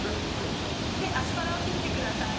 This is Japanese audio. でアスパラを切ってください。